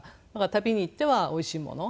旅に行ってはおいしいもの。